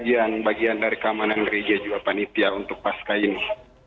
yang bagian dari keamanan gereja juga panitia untuk pasca ini